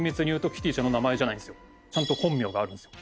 ちゃんと本名があるんですよ。